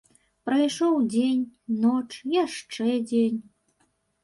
Прайшоў дзень, ноч, яшчэ дзень.